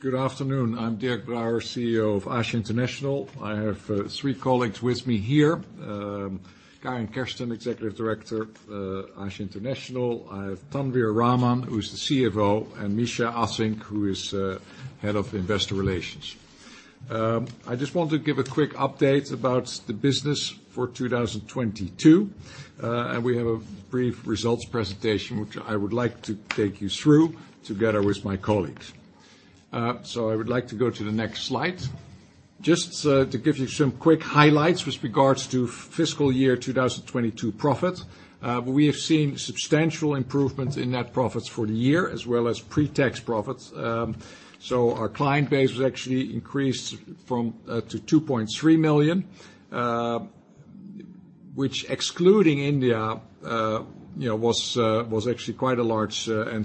Good afternoon. I'm Dirk Brouwer, CEO of ASA International. I have three colleagues with me here. Karin Kersten, Executive Director, ASA International. I have Tanwir Rahman, who's the CFO, and Mischa Assink, who is Head of Investor Relations. I just want to give a quick update about the business for 2022. We have a brief results presentation, which I would like to take you through together with my colleagues. I would like to go to the next slide. Just to give you some quick highlights with regards to fiscal year 2022 profit, we have seen substantial improvement in net profits for the year as well as pre-tax profits. s increased to 2.3 million, which, excluding India, was actually quite a large number.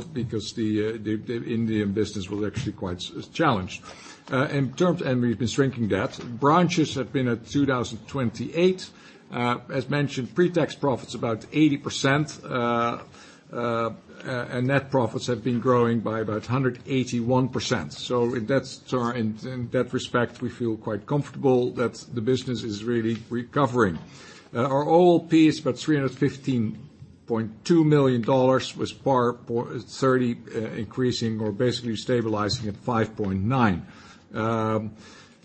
The Indian business was actually quite challenged. We have been shrinking debt. Branches have been at 2,028. As mentioned, pre-tax profit is about 80%, and net profits have been growing by about 181%. In that respect, we feel quite comfortable that the business is really recovering. Our OLPs, about $315.2 million, saw PAR 30 increasing or basically stabilizing at 5.9%,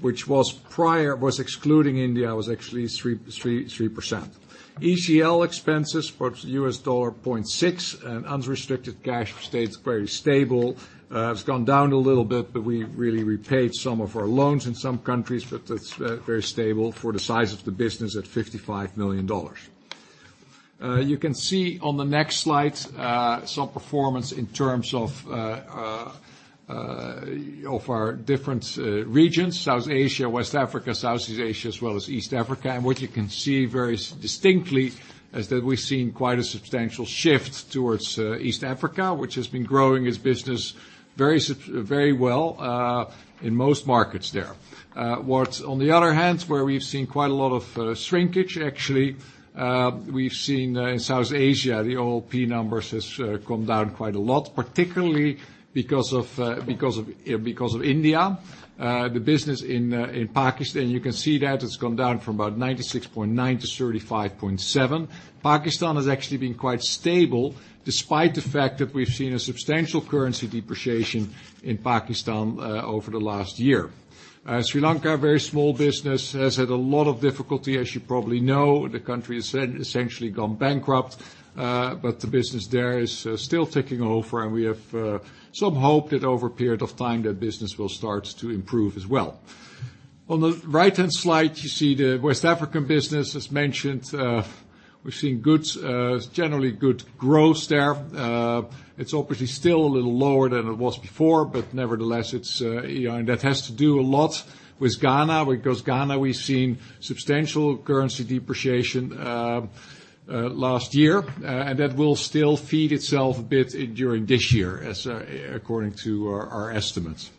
which was, excluding India, actually 3.3% ECL expenses for $0.6 and unrestricted cash stays very stable. It's gone down a little bit, but we really repaid some of our loans in some countries, but it's very stable for the size of the business at $55 million. You can see on the next slide, some performance in terms of of our different regions, South Asia, West Africa, Southeast Asia, as well as East Africa. What you can see very distinctly is that we've seen quite a substantial shift towards East Africa, which has been growing its business very well in most markets there. What's on the other hand, where we've seen quite a lot of shrinkage, actually, we've seen in South Asia, the OLP numbers has come down quite a lot, particularly because of India. The business in Pakistan, you can see that has come down from about $96.9 to $35.7. Pakistan has actually been quite stable despite the fact that we've seen a substantial currency depreciation in Pakistan over the last year. Sri Lanka, a very small business, has had a lot of difficulty. As you probably know, the country has essentially gone bankrupt, but the business there is still ticking over, and we have some hope that over a period of time, the business will start to improve as well. On the right-hand slide, you see the West African business. As mentioned, we've seen good, generally good growth there. It's obviously still a little lower than it was before, but nevertheless, it's, you know, and that has to do a lot with Ghana, because Ghana, we've seen substantial currency depreciation last year, and that will still feed itself a bit during this year as, according to our estimates.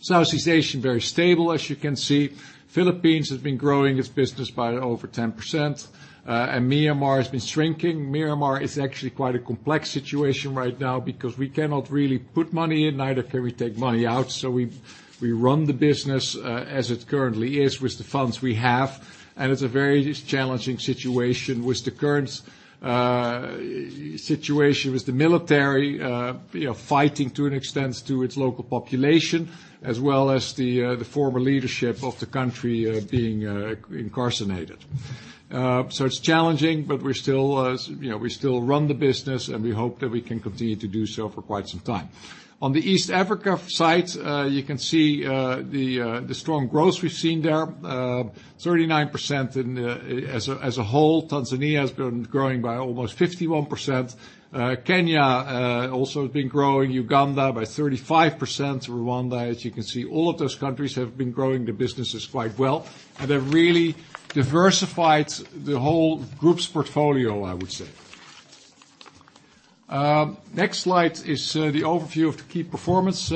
Southeast Asia, very stable, as you can see. Philippines has been growing its business by over 10%. Myanmar has been shrinking. Myanmar is actually quite a complex situation right now because we cannot really put money in, neither can we take money out. We run the business as it currently is with the funds we have. It's a very challenging situation with the current situation with the military, you know, fighting to an extent to its local population, as well as the former leadership of the country being incarcerated. It's challenging, but we're still, you know, we still run the business, and we hope that we can continue to do so for quite some time. On the East Africa side, you can see the strong growth we've seen there, 39% as a whole. Tanzania has been growing by almost 51%. Kenya also has been growing. Uganda by 35%. Rwanda, as you can see, all of those countries have been growing the businesses quite well. They're really diversified the whole group's portfolio, I would say. Next slide is the overview of the key performance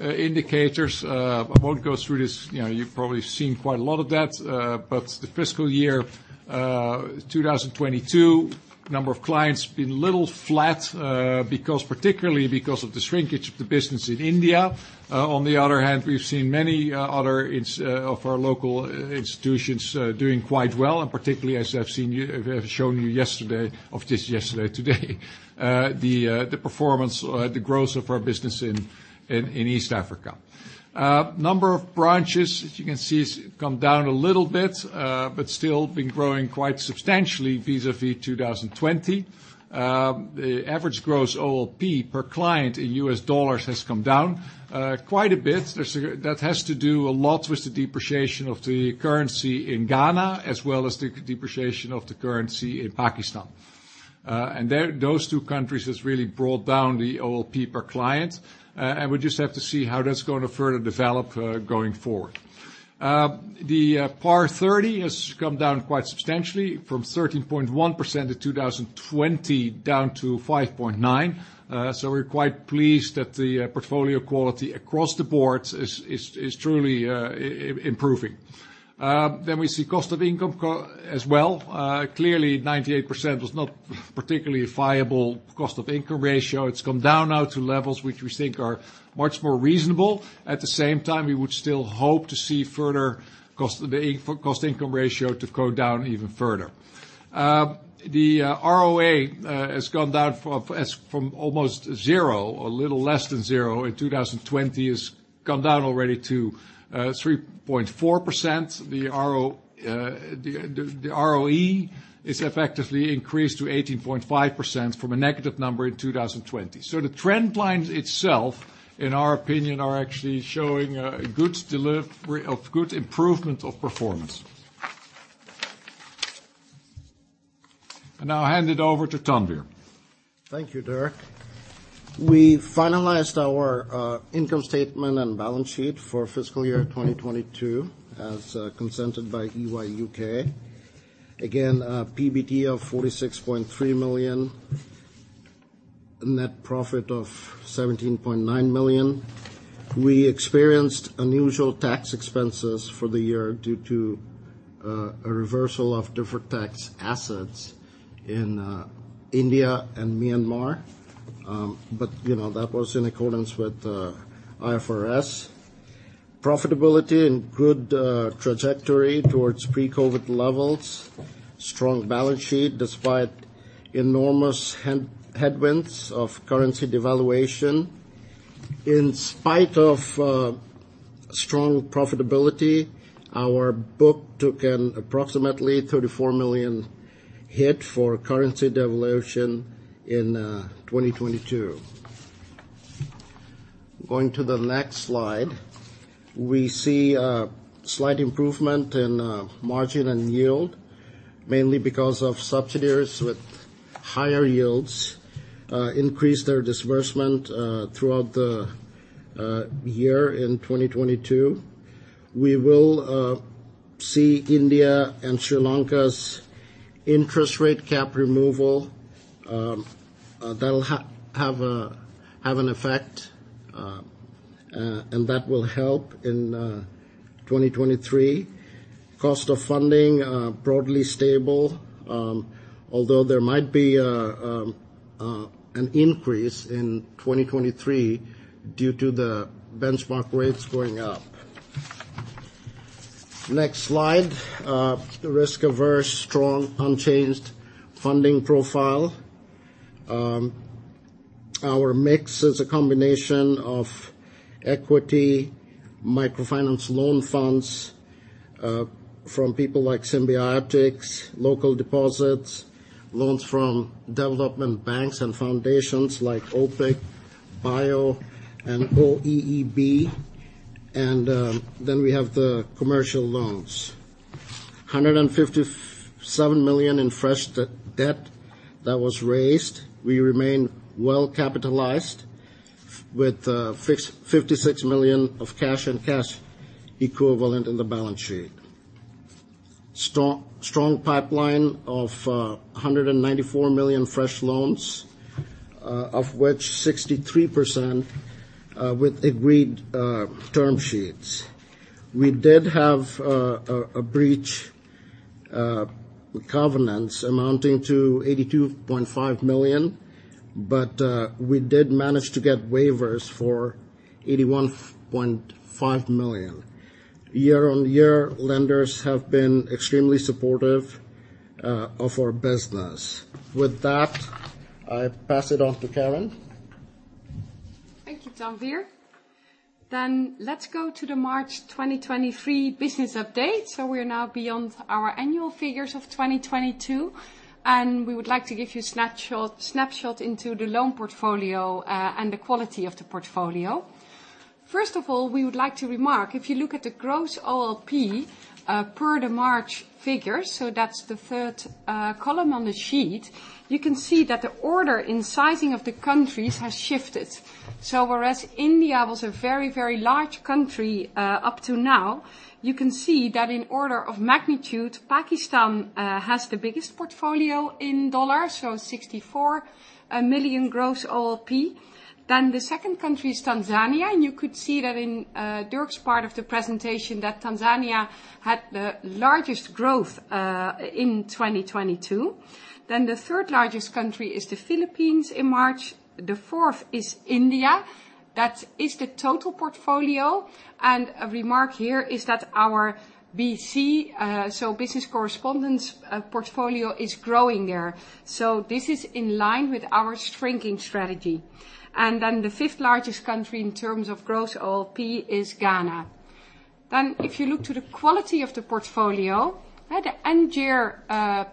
indicators. I won't go through this. You know, you've probably seen quite a lot of that. The fiscal year 2022, number of clients been a little flat, particularly because of the shrinkage of the business in India. On the other hand, we've seen many other of our local institutions doing quite well, and particularly we have shown you yesterday of just yesterday, today, the performance, the growth of our business in East Africa. Number of branches, as you can see, has come down a little bit, but still been growing quite substantially vis-à-vis 2020. The average Gross OLP per client in US dollars has come down quite a bit. That has to do a lot with the depreciation of the currency in Ghana as well as the depreciation of the currency in Pakistan. Those two countries has really brought down the OLP per client. We just have to see how that's gonna further develop going forward. The PAR 30 has come down quite substantially from 13.1% in 2020 down to 5.9%. We're quite pleased that the portfolio quality across the board is truly improving. We see cost-to-income as well. Clearly 98% was not particularly a viable cost-to-income ratio. It's come down now to levels which we think are much more reasonable. At the same time, we would still hope to see further, the cost-to-income ratio to go down even further. The ROA has gone down from almost zero or a little less than zero in 2020, has come down already to 3.4%. The ROE is effectively increased to 18.5% from a negative number in 2020. The trend lines itself, in our opinion, are actually showing a good delivery of good improvement of performance. I now hand it over to Tanvir. Thank you, Dirk. We finalized our income statement and balance sheet for fiscal year 2022, as consented by EY UK. Again, PBT of 46.3 million. Net profit of 17.9 million. We experienced unusual tax expenses for the year due to a reversal of deferred tax assets in India and Myanmar. You know, that was in accordance with IFRS. Profitability in good trajectory towards pre-COVID levels. Strong balance sheet despite enormous headwinds of currency devaluation. In spite of strong profitability, our book took an approximately 34 million hit for currency devaluation in 2022. Going to the next slide. We see a slight improvement in margin and yield, mainly because of subsidiaries with higher yields increased their disbursement throughout the year in 2022. We will see India and Sri Lanka's interest rate cap removal, that'll have a, have an effect, and that will help in 2023. Cost of funding, broadly stable, although there might be an increase in 2023 due to the benchmark rates going up. Next slide. Risk-averse, strong, unchanged funding profile. Our mix is a combination of equity, microfinance loan funds, from people like Symbiotics, local deposits, loans from development banks and foundations like OPIC, BIO, and OeEB, and then we have the commercial loans. $157 million in fresh debt that was raised. We remain well capitalized with $56 million of cash and cash equivalent in the balance sheet. Strong pipeline of 194 million fresh loans, of which 63% with agreed term sheets. We did have a breach with covenants amounting to 82.5 million. We did manage to get waivers for 81.5 million. Year-on-year, lenders have been extremely supportive of our business. With that, I pass it on to Karin. Thank you, Tanvir. Let's go to the March 2023 business update. We're now beyond our annual figures of 2022, and we would like to give you a snapshot into the loan portfolio and the quality of the portfolio. First of all, we would like to remark, if you look at the Gross OLP per the March figures, that's the third column on the sheet, you can see that the order in sizing of the countries has shifted. Whereas India was a very, very large country up to now, you can see that in order of magnitude, Pakistan has the biggest portfolio in dollars, $64 million Gross OLP. The second country is Tanzania, and you could see that in Dirk's part of the presentation that Tanzania had the largest growth in 2022. The third-largest country is the Philippines in March. The fourth is India. That is the total portfolio. A remark here is that our BC, so business correspondence portfolio, is growing there. This is in line with our shrinking strategy. The fifth-largest country in terms of Gross OLP is Ghana. If you look to the quality of the portfolio, at the end-year,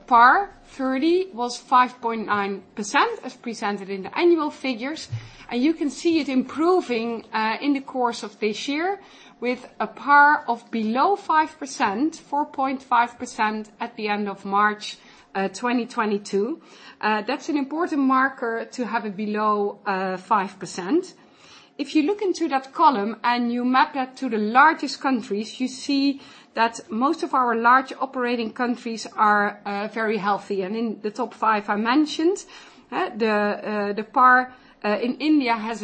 PAR 30 was 5.9%, as presented in the annual figures. You can see it improving in the course of this year with a PAR of below 5%, 4.5% at the end of March 2022. That's an important marker to have it below 5%. If you look into that column and you map that to the largest countries, you see that most of our large operating countries are very healthy. In the top 5 I mentioned, the PAR in India has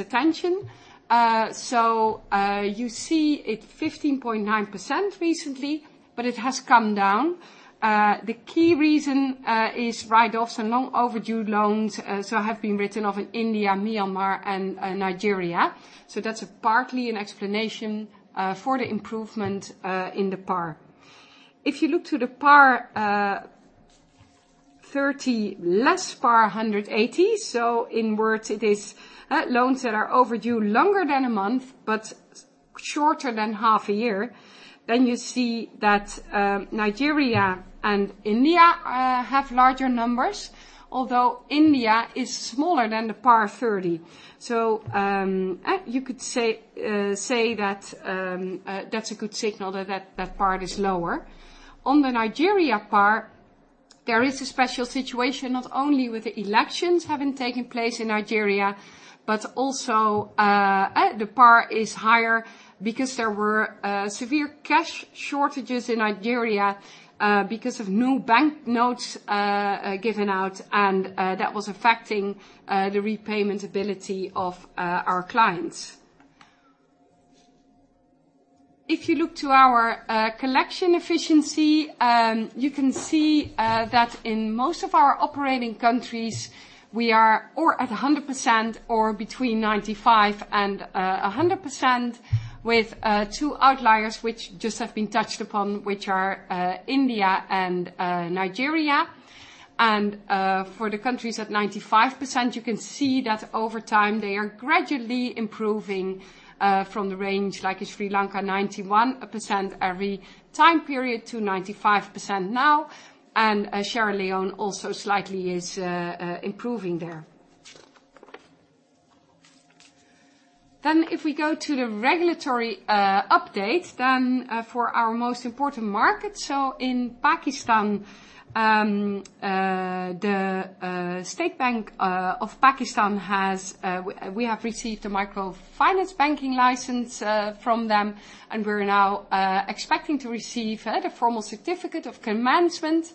attention. You see it 15.9% recently, but it has come down. The key reason is write-offs and long overdue loans have been written off in India, Myanmar, and Nigeria. That's partly an explanation for the improvement in the PAR. If you look to the PAR 30 less PAR 180. In words, it is loans that are overdue longer than 1 month, but shorter than half a year. You see that Nigeria and India have larger numbers, although India is smaller than the PAR 30. You could say that's a good signal that part is lower. On the Nigeria part, there is a special situation, not only with the elections having taken place in Nigeria, but also, the PAR is higher because there were severe cash shortages in Nigeria, because of new bank notes given out, and that was affecting the repayment ability of our clients. If you look to our collection efficiency, you can see that in most of our operating countries, we are or at 100% or between 95% and 100% with 2 outliers, which just have been touched upon, which are India and Nigeria. For the countries at 95%, you can see that over time they are gradually improving from the range, like in Sri Lanka, 91% every time period to 95% now. Sierra Leone also slightly is improving there. If we go to the regulatory update for our most important market. In Pakistan, the State Bank of Pakistan has received a microfinance banking license from them, and we're now expecting to receive the formal certificate of commencement.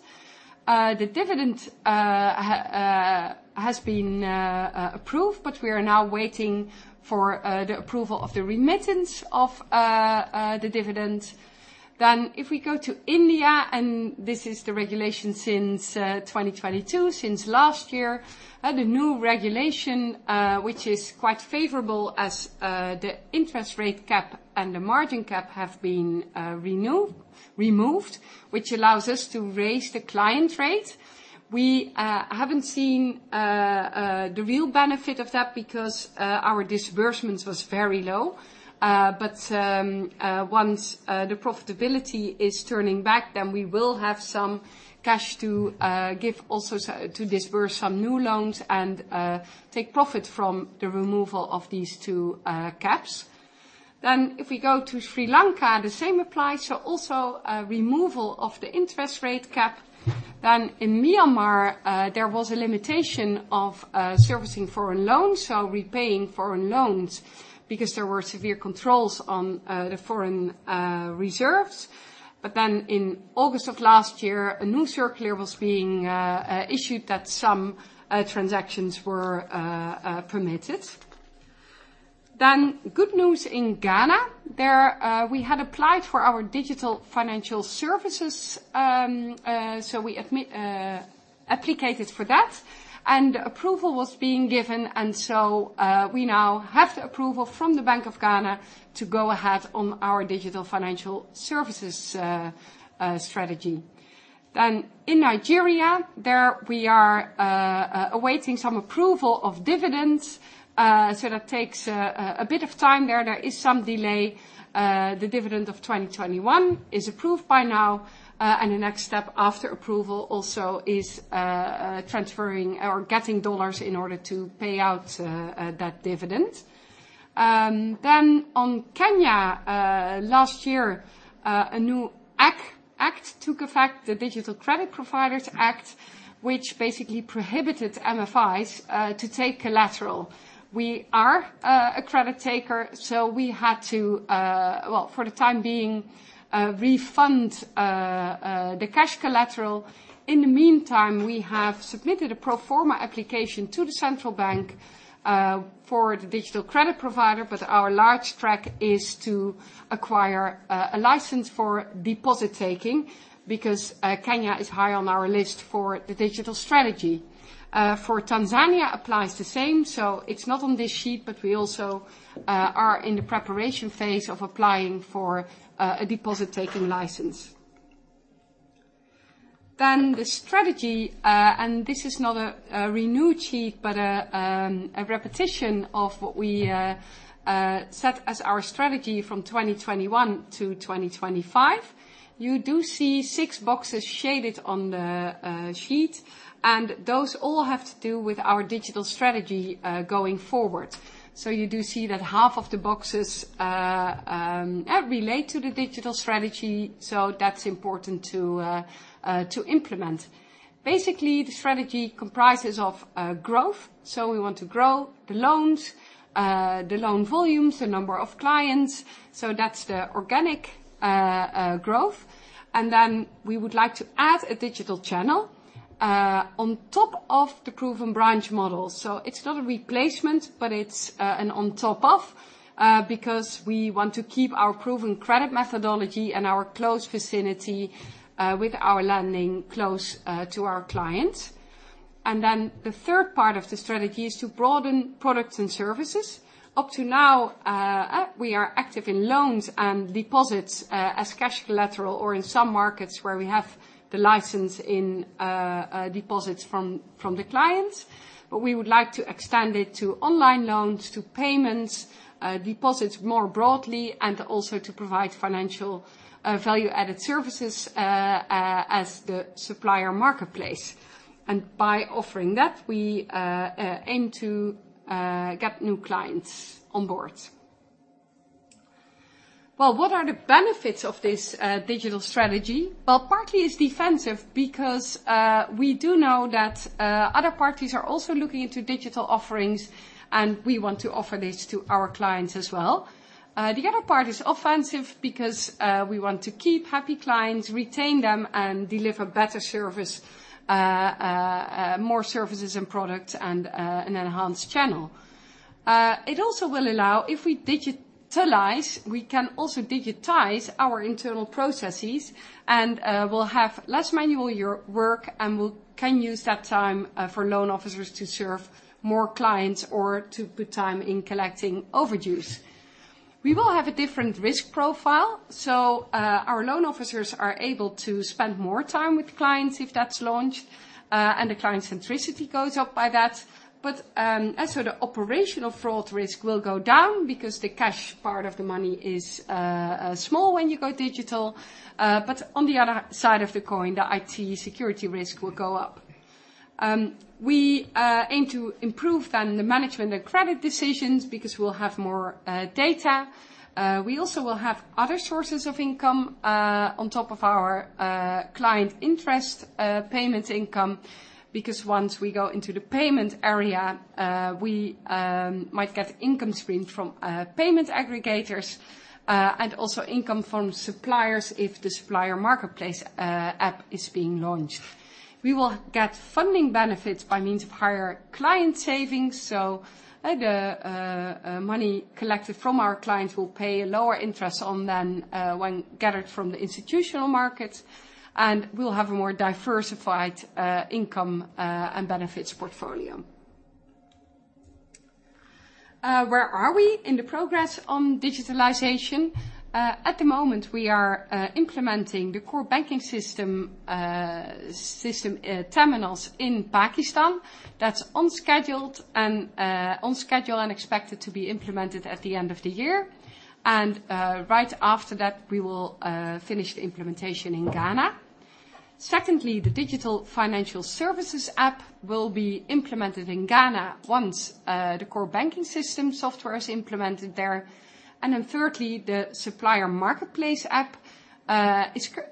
The dividend has been approved, but we are now waiting for the approval of the remittance of the dividend. If we go to India, and this is the regulation since 2022, since last year, the new regulation, which is quite favorable as the interest rate cap and the margin cap have been removed, which allows us to raise the client rate. We haven't seen the real benefit of that because our disbursements was very low. Once the profitability is turning back, then we will have some cash to give also, so to disburse some new loans and take profit from the removal of these 2 caps. If we go to Sri Lanka, the same applies. Also a removal of the interest rate cap. In Myanmar, there was a limitation of servicing foreign loans, so repaying foreign loans because there were severe controls on the foreign reserves. In August of last year, a new circular was being issued that some transactions were permitted. Good news in Ghana. There, we had applied for our digital financial services, so we applicated for that, and approval was being given. We now have the approval from the Bank of Ghana to go ahead on our digital financial services strategy. In Nigeria, there we are awaiting some approval of dividends, so that takes a bit of time there. There is some delay. The dividend of 2021 is approved by now. The next step after approval also is transferring or getting $ in order to pay out that dividend. On Kenya, last year, a new act took effect, the Digital Credit Providers Act, which basically prohibited MFIs to take collateral. We are a credit taker, so we had to, for the time being, refund the cash collateral. In the meantime, we have submitted a pro forma application to the central bank for the digital credit provider, our large track is to acquire a license for deposit taking because Kenya is high on our list for the digital strategy. For Tanzania applies the same, so it's not on this sheet, but we also are in the preparation phase of applying for a deposit-taking license. The strategy, and this is not a renewed sheet, but a repetition of what we set as our strategy from 2021 to 2025. You do see six boxes shaded on the sheet. Those all have to do with our digital strategy going forward. You do see that half of the boxes relate to the digital strategy. That's important to implement. Basically, the strategy comprises of growth. We want to grow the loans, the loan volumes, the number of clients. That's the organic growth. Then we would like to add a digital channel on top of the proven branch model. It's not a replacement, but it's an on top of because we want to keep our proven credit methodology and our close vicinity with our lending close to our clients. Then the third part of the strategy is to broaden products and services. Up to now, we are active in loans and deposits as cash collateral or in some markets where we have the license in deposits from the clients. We would like to extend it to online loans, to payments, deposits more broadly, and also to provide financial value-added services as the Supplier Market Place. By offering that, we aim to get new clients on board. What are the benefits of this digital strategy? Partly it's defensive because we do know that other parties are also looking into digital offerings, and we want to offer this to our clients as well. The other part is offensive because we want to keep happy clients, retain them, and deliver better service, more services and products and an enhanced channel. It also will allow, if we digitalize, we can also digitize our internal processes and we'll have less manual work, and we can use that time for loan officers to serve more clients or to put time in collecting overdues. We will have a different risk profile, our loan officers are able to spend more time with clients if that's launched, and the client centricity goes up by that. As for the operational fraud risk will go down because the cash part of the money is small when you go digital. On the other side of the coin, the IT security risk will go up. We aim to improve then the management and credit decisions because we'll have more data. We also will have other sources of income on top of our client interest payment income, because once we go into the payment area, we might get income stream from payment aggregators and also income from suppliers if the Supplier Market Place app is being launched. We will get funding benefits by means of higher client savings. Like, money collected from our clients will pay lower interest on than when gathered from the institutional market, and we'll have a more diversified income and benefits portfolio. Where are we in the progress on digitalization? At the moment, we are implementing the core banking system Temenos in Pakistan. That's on schedule and expected to be implemented at the end of the year. Right after that, we will finish the implementation in Ghana. Secondly, the digital financial services app will be implemented in Ghana once the core banking system software is implemented there. Thirdly, the Supplier Market Place app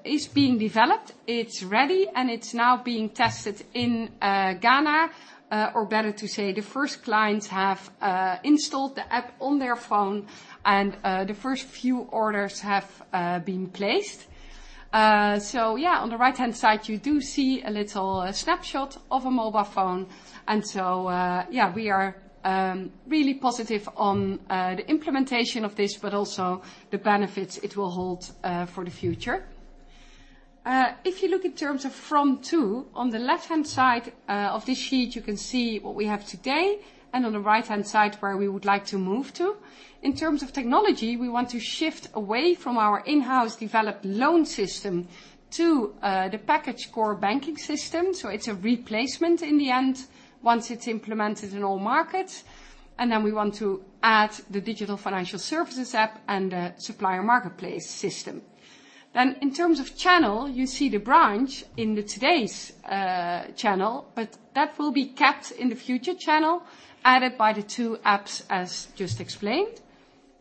is being developed. It's ready, and it's now being tested in Ghana. Or better to say, the first clients have installed the app on their phone, and the first few orders have been placed. On the right-hand side, you do see a little snapshot of a mobile phone. We are really positive on the implementation of this, but also the benefits it will hold for the future. If you look in terms of from-to, on the left-hand side of this sheet, you can see what we have today, and on the right-hand side, where we would like to move to. In terms of technology, we want to shift away from our in-house developed loan system to the package core banking system. It's a replacement in the end, once it's implemented in all markets. We want to add the digital financial services app and the Supplier Marketplace System. In terms of channel, you see the branch in the today's channel, but that will be kept in the future channel, added by the two apps, as just explained.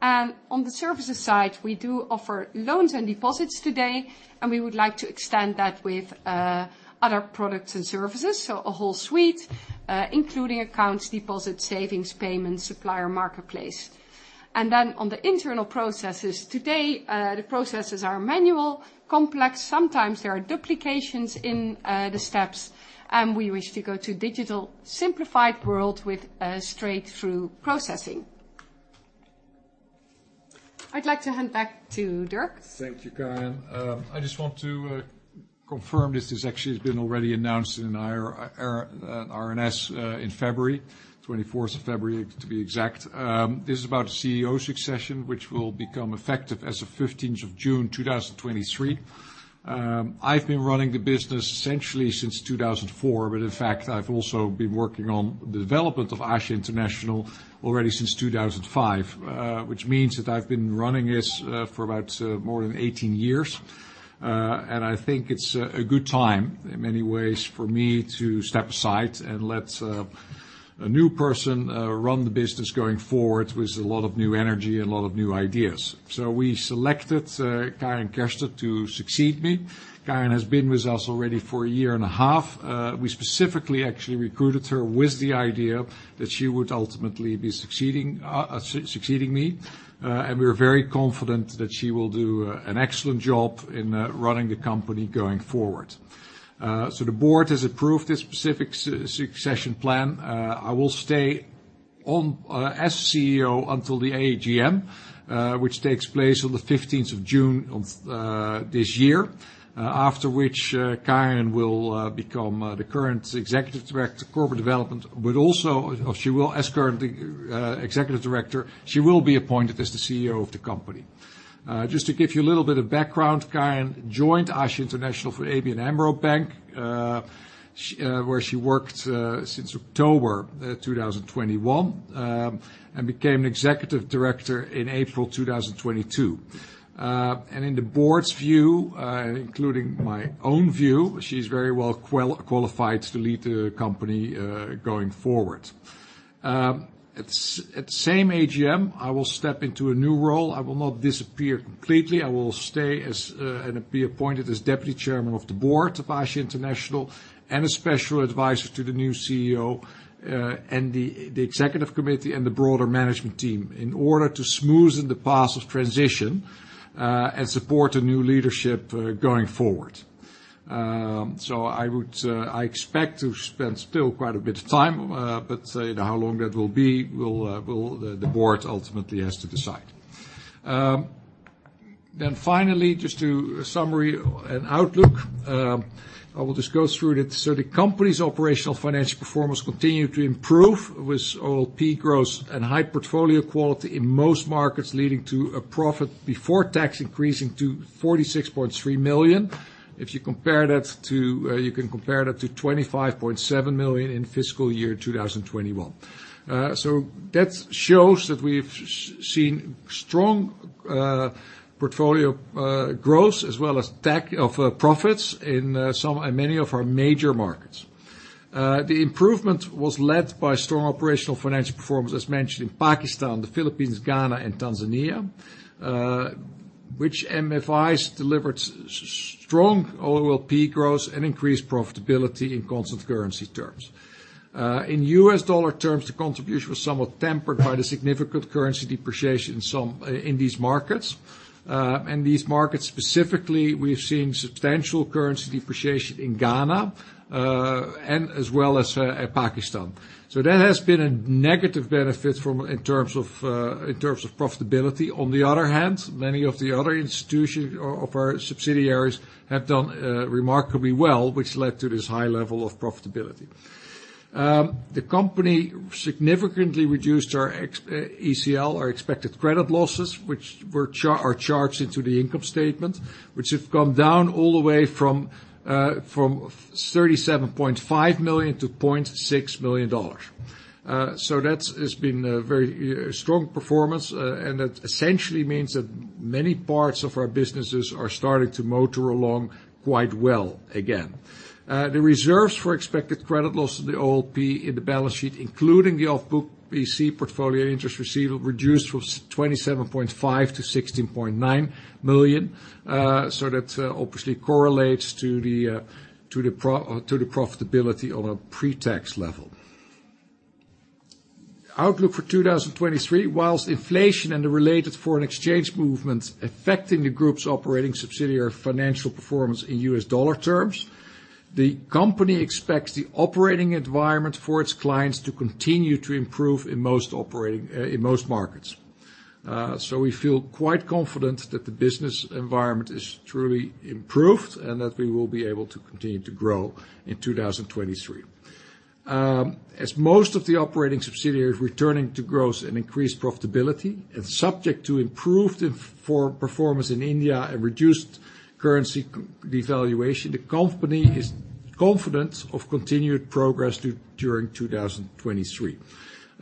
On the services side, we do offer loans and deposits today, and we would like to extend that with other products and services. A whole suite, including accounts, deposits, savings, payments, Supplier Market Place. On the internal processes, today, the processes are manual, complex. Sometimes there are duplications in the steps, and we wish to go to digital simplified world with a straight-through processing. I'd like to hand back to Dirk. Thank you, Karin. I just want to confirm this has actually has been already announced in our RNS in February, 24th of February to be exact. This is about CEO succession, which will become effective as of 15th of June, 2023. I've been running the business essentially since 2004, but in fact, I've also been working on the development of ASA International already since 2005, which means that I've been running this for about more than 18 years. And I think it's a good time in many ways for me to step aside and let a new person run the business going forward with a lot of new energy and a lot of new ideas. We selected Karin Kersten to succeed me. Karin has been with us already for a year and a half. We specifically actually recruited her with the idea that she would ultimately be succeeding me. We're very confident that she will do an excellent job in running the company going forward. The board has approved this specific succession plan. I will stay on as CEO until the AGM, which takes place on the 15th of June of this year, after which Karin will become the current Executive Director of Corporate Development, or she will as current Executive Director, she will be appointed as the CEO of the company. Just to give you a little bit of background, Karin joined ASA International for ABN AMRO Bank, where she worked since October 2021, and became an Executive Director in April 2022. In the board's view, including my own view, she's very well qualified to lead the company going forward. At the same AGM, I will step into a new role. I will not disappear completely. I will stay as and be appointed as Deputy Chairman of the Board of ASA International and a special advisor to the new CEO and the executive committee and the broader management team in order to smoothen the path of transition and support a new leadership going forward. I would, I expect to spend still quite a bit of time, but how long that will be will the board ultimately has to decide. Finally, just to summary and outlook, I will just go through that. The company's operational financial performance continued to improve with OLP growth and high portfolio quality in most markets leading to a profit before tax increasing to 46.3 million. If you compare that to, you can compare that to 25.7 million in fiscal year 2021. That shows that we've seen strong portfolio growth as well as stack of profits in some and many of our major markets. The improvement was led by strong operational financial performance, as mentioned, in Pakistan, the Philippines, Ghana, and Tanzania, which MFIs delivered strong OLP growth and increased profitability in constant currency terms. In US dollar terms, the contribution was somewhat tempered by the significant currency depreciation in some in these markets. In these markets specifically, we've seen substantial currency depreciation in Ghana, and as well as Pakistan. There has been a negative benefit from in terms of profitability. On the other hand, many of the other institutions or of our subsidiaries have done remarkably well, which led to this high level of profitability. The company significantly reduced our ECL, our expected credit losses, which were charged into the income statement, which have come down all the way from $37.5 million to $0.6 million. It's been a very strong performance, and that essentially means that many parts of our businesses are starting to motor along quite well again. The reserves for expected credit loss of the OLP in the balance sheet, including the off-book BC portfolio interest receivable, reduced from $27.5 million to $16.9 million. That obviously correlates to the profitability on a pre-tax level. Outlook for 2023, whilst inflation and the related foreign exchange movements affecting the group's operating subsidiary financial performance in US dollar terms, the company expects the operating environment for its clients to continue to improve in most markets. We feel quite confident that the business environment is truly improved and that we will be able to continue to grow in 2023. Most of the operating subsidiaries returning to growth and increased profitability and subject to improved performance in India and reduced currency devaluation, the company is confident of continued progress during 2023.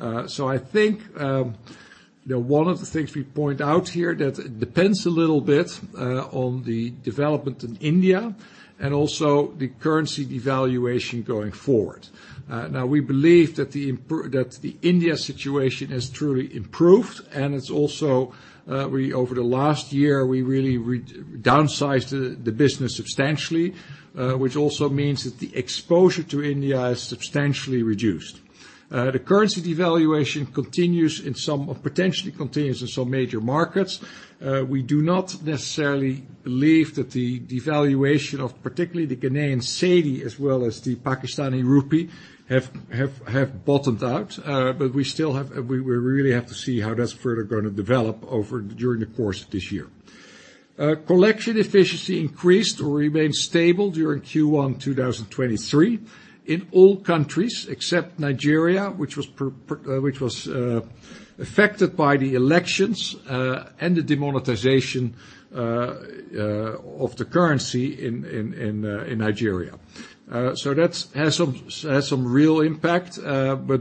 I think, you know, one of the things we point out here that depends a little bit on the development in India and also the currency devaluation going forward. Now we believe that the India situation has truly improved, and it's also, we over the last year, we really re-downsized the business substantially, which also means that the exposure to India is substantially reduced. The currency devaluation continues in some or potentially continues in some major markets. We do not necessarily believe that the devaluation of particularly the Ghanaian cedi as well as the Pakistani rupee have bottomed out, but we still have, we really have to see how that's further gonna develop over during the course of this year. Collection efficiency increased or remained stable during Q1 2023 in all countries except Nigeria, which was, affected by the elections, and the demonetization of the currency in Nigeria. That's has some real impact,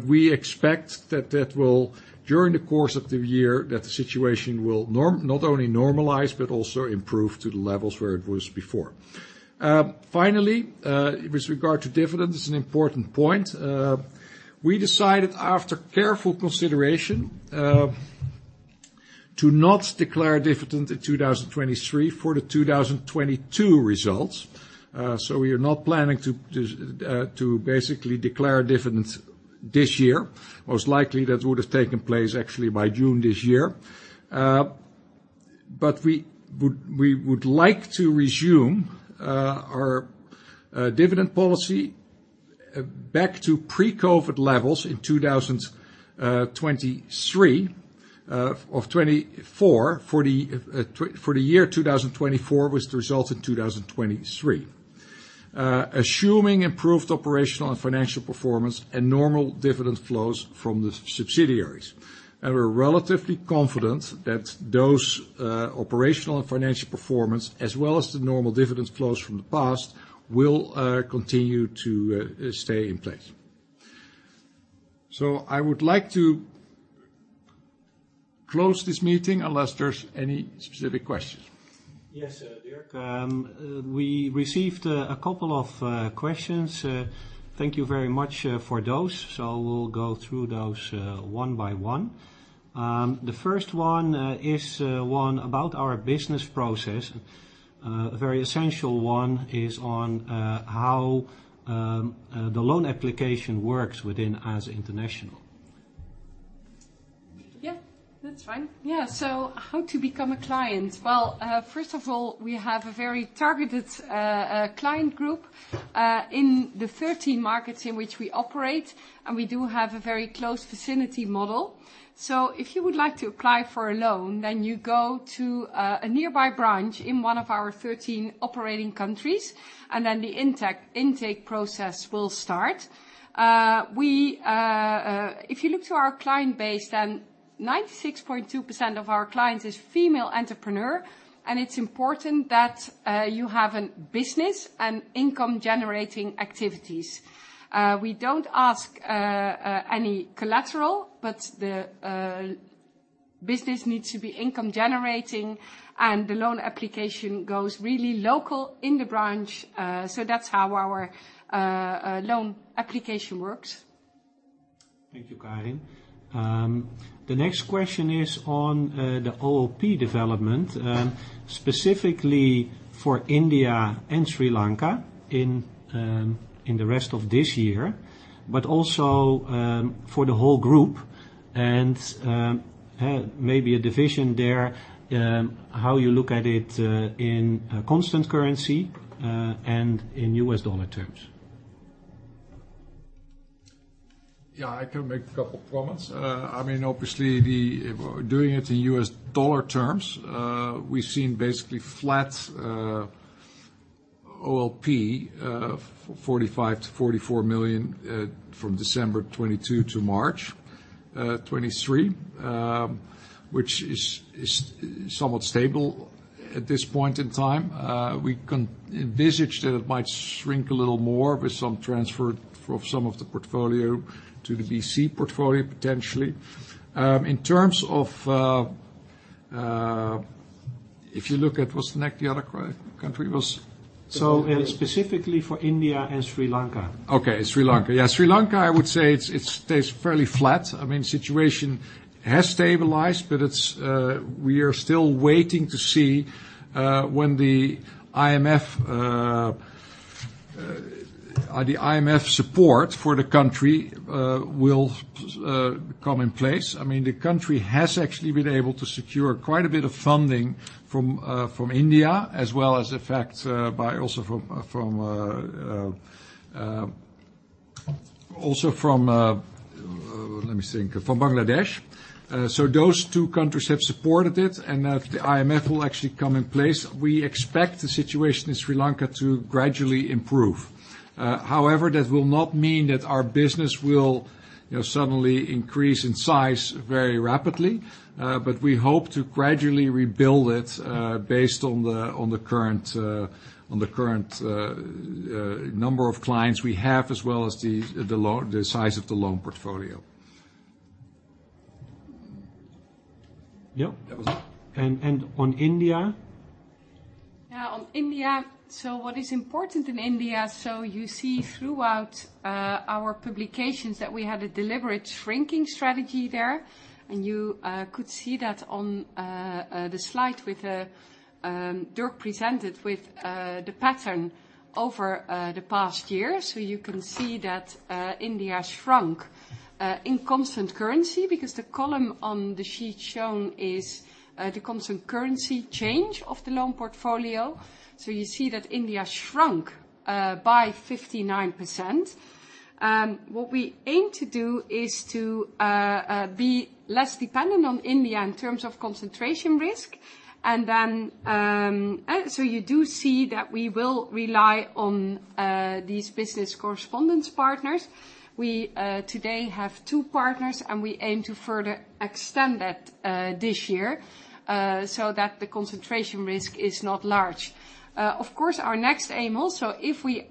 we expect that that will, during the course of the year, that the situation will not only normalize but also improve to the levels where it was before. Finally, with regard to dividends, this is an important point. We decided after careful consideration, to not declare a dividend in 2023 for the 2022 results. We are not planning to basically declare a dividend this year. Most likely that would have taken place actually by June this year. We would like to resume our dividend policy back to pre-COVID levels in 2023 of 24 for the year 2024 with the result in 2023 assuming improved operational and financial performance and normal dividends flows from the subsidiaries. We're relatively confident that those operational and financial performance, as well as the normal dividends flows from the past, will continue to stay in place. I would like to close this meeting unless there's any specific questions. Yes, Dirk. We received a couple of questions. Thank you very much for those. We'll go through those one by one. The first one is one about our business process. A very essential one is on how the loan application works within ASA International. Yeah, that's fine. Yeah. How to become a client? Well, first of all, we have a very targeted client group in the 13 markets in which we operate, and we do have a very close vicinity model. If you would like to apply for a loan, then you go to a nearby branch in one of our 13 operating countries, the intake process will start. We, If you look to our client base, then 96.2% of our clients is female entrepreneur, and it's important that you have an business and income-generating activities. We don't ask any collateral, but the business needs to be income generating, the loan application goes really local in the branch. That's how our loan application works. Thank you, Karin. The next question is on the OLP development, specifically for India and Sri Lanka in the rest of this year, but also for the whole group and maybe a division there, how you look at it in constant currency and in US dollar terms. Yeah, I can make a couple comments. I mean, obviously doing it in U.S. dollar terms, we've seen basically flat OLP, $45 million-$44 million from December 2022 to March 2023, which is somewhat stable at this point in time. We can envisage that it might shrink a little more with some transfer of some of the portfolio to the BC portfolio, potentially. In terms of, if you look at what's the next, the other country was? Specifically for India and Sri Lanka. Okay, Sri Lanka. Yeah, Sri Lanka, I would say it's, it stays fairly flat. I mean, situation has stabilized, but it's, we are still waiting to see when the IMF, the IMF support for the country will come in place. I mean, the country has actually been able to secure quite a bit of funding from India as well as the fact, by also from, also from, let me think, from Bangladesh. Those two countries have supported it, and if the IMF will actually come in place, we expect the situation in Sri Lanka to gradually improve. That will not mean that our business will, you know, suddenly increase in size very rapidly, but we hope to gradually rebuild it, based on the, on the current, number of clients we have, as well as the size of the loan portfolio. Yeah, that was it. On India? Yeah, on India. What is important in India, so you see throughout our publications that we had a deliberate shrinking strategy there, and you could see that on the slide with Dirk presented with the pattern over the past year. You can see that India shrunk in constant currency because the column on the sheet shown is the constant currency change of the loan portfolio. You see that India shrunk by 59%. What we aim to do is to be less dependent on India in terms of concentration risk and then you do see that we will rely on these business correspondence partners. We today have 2 partners, and we aim to further extend that this year so that the concentration risk is not large. Of course, our next aim also, if we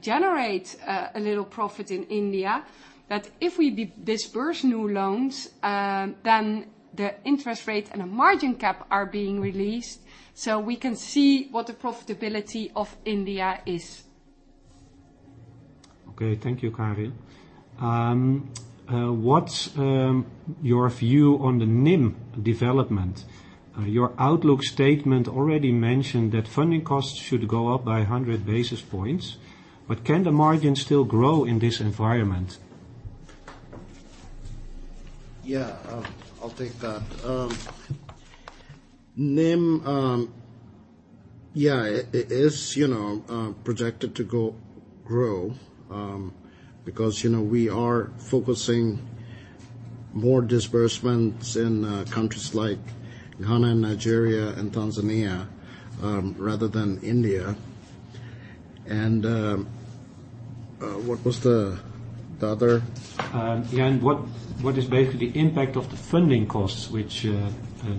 generate a little profit in India, that if we disburse new loans, then the interest rate and the margin cap are being released, so we can see what the profitability of India is. Okay. Thank you, Karin. What's your view on the NIM development? Your outlook statement already mentioned that funding costs should go up by 100 basis points, but can the margin still grow in this environment? Yeah, I'll take that. NIM, yeah, it is, you know, projected to grow, because, you know, we are focusing more disbursements in countries like Ghana and Nigeria and Tanzania, rather than India. What is basically impact of the funding costs which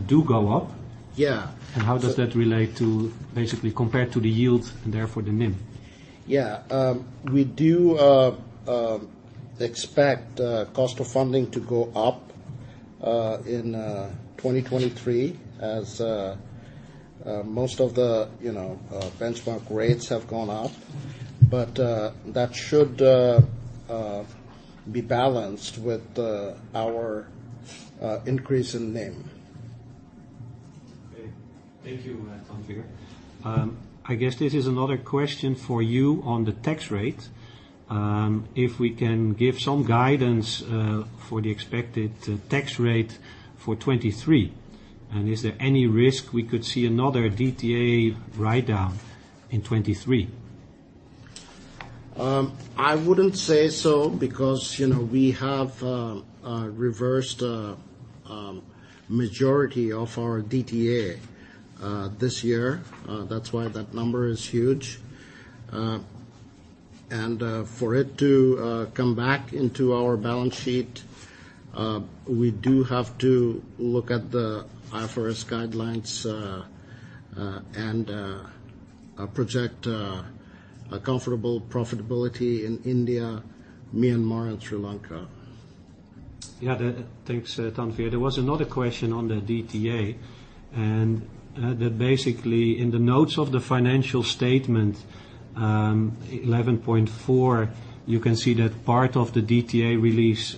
do go up? Yeah. How does that relate to basically compared to the yield and therefore the NIM? Yeah. We do expect cost of funding to go up in 2023 as most of the, you know, benchmark rates have gone up. That should be balanced with our increase in NIM. Okay. Thank you, Tanvir. I guess this is another question for you on the tax rate. If we can give some guidance for the expected tax rate for 2023, and is there any risk we could see another DTA write down in 2023? I wouldn't say so because, you know, we have reversed majority of our DTA this year. That's why that number is huge. And for it to come back into our balance sheet, we do have to look at the IFRS guidelines and project a comfortable profitability in India, Myanmar, and Sri Lanka. Yeah. Thanks, Tanvir. There was another question on the DTA, and that basically in the notes of the financial statement, 11.4, you can see that part of the DTA release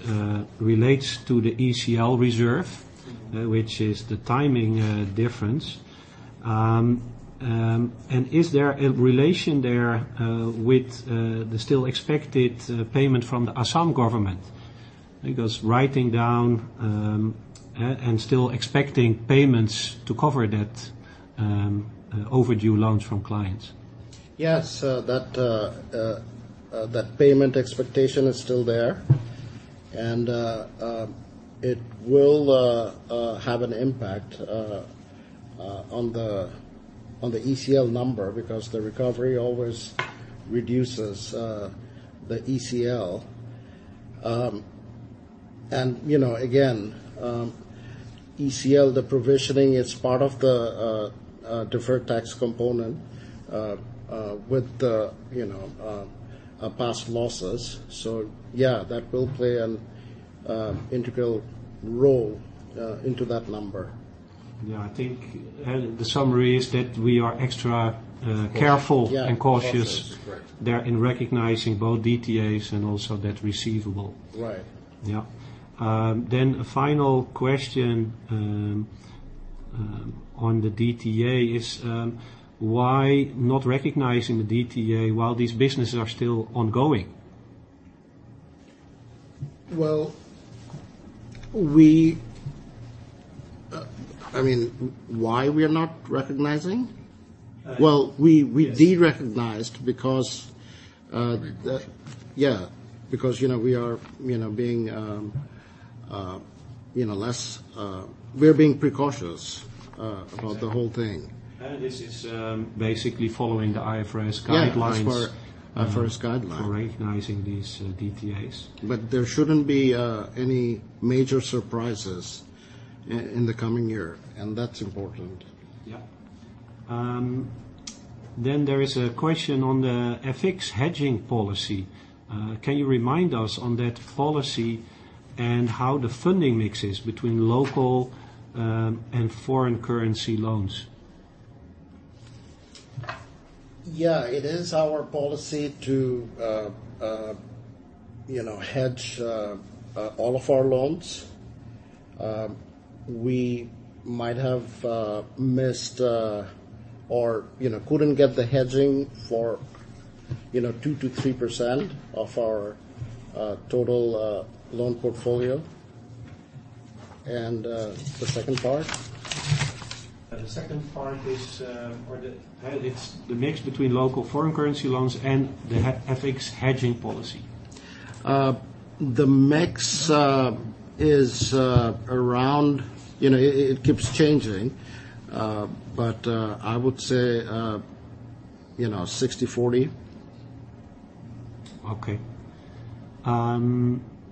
relates to the ECL reserve. which is the timing difference. Is there a relation there with the still expected payment from the Assam government? Because writing down and still expecting payments to cover that overdue loans from clients. Yes. That, that payment expectation is still there, and it will have an impact on the, on the ECL number because the recovery always reduces the ECL. You know, again, ECL, the provisioning is part of the deferred tax component with the, you know, past losses. Yeah, that will play an integral role into that number. Yeah. I think, the summary is that we are extra… Yeah. and cautious Correct. there in recognizing both DTAs and also that receivable. Right. Yeah. A final question, on the DTA is, why not recognizing the DTA while these businesses are still ongoing? Well, I mean, why we are not recognizing? yes. Well, we derecognized because. Derecognized. Yeah. You know, we are, you know, being, you know, less. We're being precautious. Exactly. about the whole thing. This is, basically following the IFRS guidelines. Yeah. As per IFRS guideline. for recognizing these, DTAs. There shouldn't be any major surprises in the coming year, and that's important. Yeah. There is a question on the FX hedging policy. Can you remind us on that policy and how the funding mixes between local and foreign currency loans? Yeah. It is our policy to, you know, hedge all of our loans. We might have missed or, you know, couldn't get the hedging for, you know, 2% to 3% of our total loan portfolio. The second part? The second part is. It's the mix between local foreign currency loans and the FX hedging policy. The mix is around. You know, it keeps changing. I would say, you know, 60/40. Okay.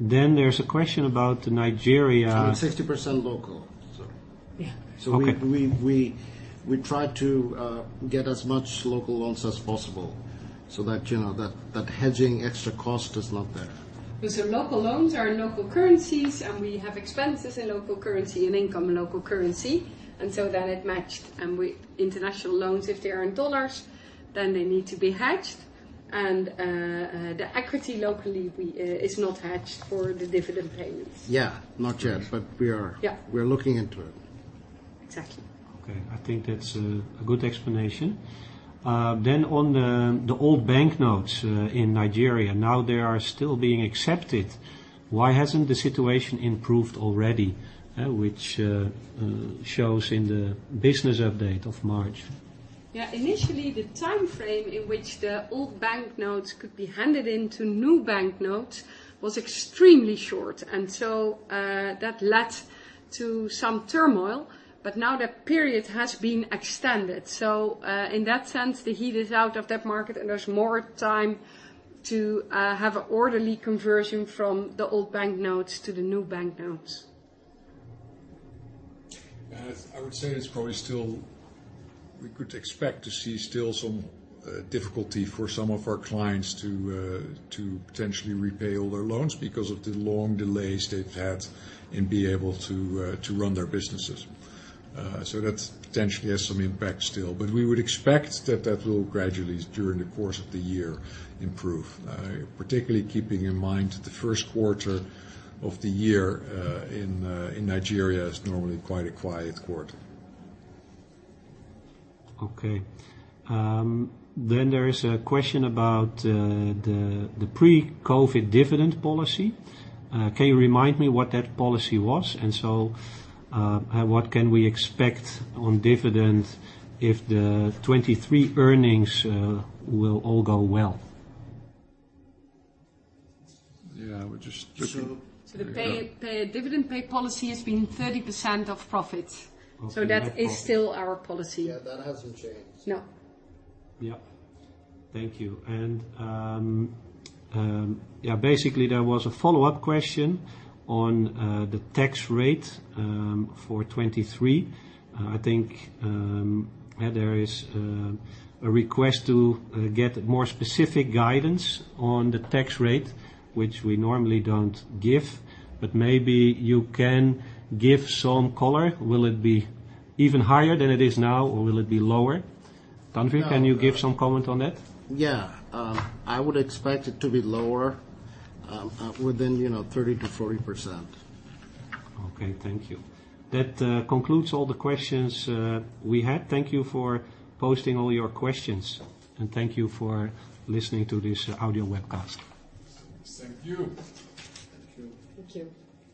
There's a question about Nigeria. You mean 60% local. Yeah. Okay. We try to get as much local loans as possible so that, you know, that hedging extra cost is not there. The local loans are in local currencies, and we have expenses in local currency and income in local currency, and so then it matched. With international loans, if they are in $, then they need to be hedged. The equity locally we is not hedged for the dividend payments. Yeah. Not yet. Right. But we are- Yeah. We are looking into it. Exactly. Okay. I think that's a good explanation. On the old banknotes, in Nigeria, now they are still being accepted. Why hasn't the situation improved already? Which shows in the business update of March. Initially the timeframe in which the old banknotes could be handed into new banknotes was extremely short. That led to some turmoil. Now that period has been extended, in that sense, the heat is out of that market and there's more time to have a orderly conversion from the old banknotes to the new banknotes. I would say it's probably still. We could expect to see still some difficulty for some of our clients to potentially repay all their loans because of the long delays they've had in being able to run their businesses. That potentially has some impact still. We would expect that that will gradually, during the course of the year, improve. Particularly keeping in mind that the first quarter of the year, in Nigeria is normally quite a quiet quarter. Okay. There is a question about the pre-COVID dividend policy. Can you remind me what that policy was? What can we expect on dividend if the 23 earnings will all go well? Yeah, we're just checking. The pay, the dividend pay policy has been 30% of profits. Okay. That is still our policy. Yeah. That hasn't changed. No. Yep. Thank you. Yeah, basically there was a follow-up question on the tax rate for 2023. I think there is a request to get more specific guidance on the tax rate, which we normally don't give, but maybe you can give some color. Will it be even higher than it is now, or will it be lower? Tanwir, can you give some comment on that? Yeah. I would expect it to be lower, within, you know, 30%-40%. Okay. Thank you. That concludes all the questions we had. Thank you for posting all your questions, and thank you for listening to this audio webcast. Thank you. Thank you. Thank you.